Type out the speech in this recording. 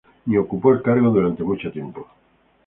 Ni ocupó el cargo durante mucho tiempo.